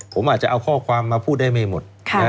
ผมอาจจะเอาข้อความมาพูดได้ไม่หมด